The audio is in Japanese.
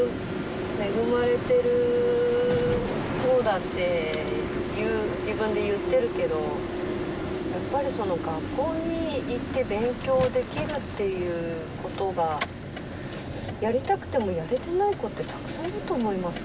恵まれてるほうだって自分で言ってるけどやっぱり学校に行って勉強できるっていうことがやりたくてもやれてない子ってたくさんいると思いますけどね。